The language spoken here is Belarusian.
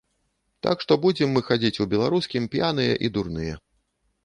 Так што будзем мы хадзіць у беларускім, п'яныя і дурныя.